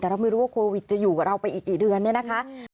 แต่เราไม่รู้ว่าโควิดจะอยู่กับเราไปอีกกี่เดือนเนี่ยนะคะ